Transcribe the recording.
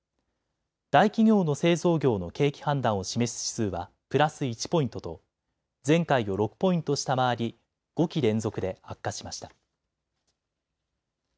大企業の製造業の景気判断を示す指数はプラス１ポイントと前回を６ポイント下回り５期連続で悪化しました。